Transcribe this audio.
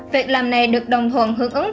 việc làm này được đồng thuận hưởng ứng